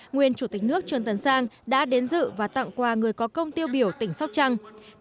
nguyên chủ tịch nước trương tấn sang đã đến dự và tặng quà người có công tiêu biểu tỉnh sóc trăng